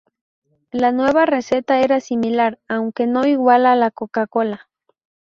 La nueva receta era similar, aunque no igual a la Coca-Cola.